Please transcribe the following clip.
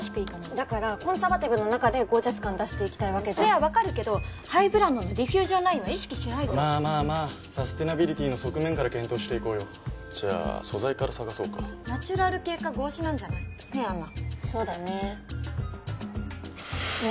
だからコンサバティブの中でゴージャス感出していきたいわけじゃんそれは分かるけどハイブランドのディフュージョンラインは意識しないとまぁまぁまぁサステナビリティーの側面から検討していこうよじゃあ素材から探そうかナチュラル系か合皮なんじゃない？ねぇアンナそうだねねぇ